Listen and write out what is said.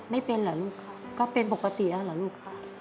ไม่เป็นเหรอลูกค่ะก็เป็นปกติแล้วเหรอลูกค่ะ